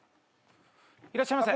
いらっしゃいませ。